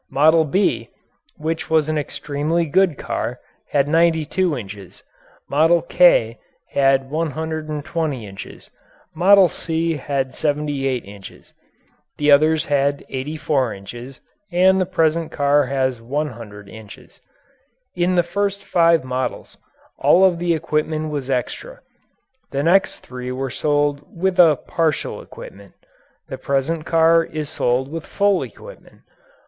Model "B," which was an extremely good car, had 92 inches. "Model K" had 120 inches. "Model C" had 78 inches. The others had 84 inches, and the present car has 100 inches. In the first five models all of the equipment was extra. The next three were sold with a partial equipment. The present car is sold with full equipment.